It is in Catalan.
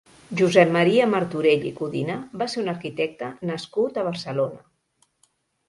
Josep Maria Martorell i Codina va ser un arquitecte nascut a Barcelona.